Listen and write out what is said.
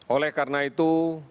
oleh karena itu